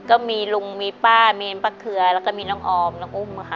ก็มีลุงมีป้าเมนป้าเครือแล้วก็มีน้องออมน้องอุ้มค่ะ